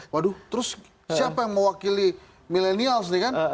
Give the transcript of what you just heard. waduh terus siapa yang mewakili milenials nih kan